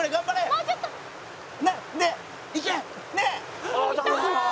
「もうちょっと」「いけ！」